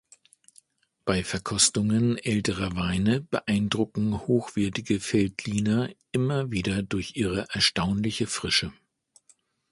Bei Verkostungen älterer Weine beeindrucken hochwertige Veltliner immer wieder durch ihre erstaunliche Frische.